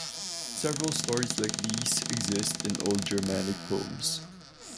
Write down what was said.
Several stories like these exist in old Germanic poems.